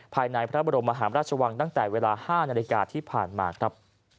ภายในพระบรมมหาราชวังตั้งแต่เวลา๕นาฬิกาที่ผ่านมาครับ